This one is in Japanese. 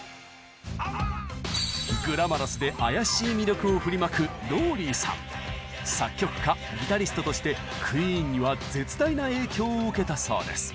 グラマラスで妖しい魅力を振りまく作曲家ギタリストとしてクイーンには絶大な影響を受けたそうです。